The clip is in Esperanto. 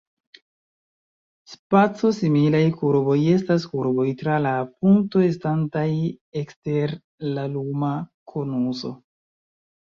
Spaco-similaj kurboj estas kurboj tra la punkto estantaj ekster la luma konuso.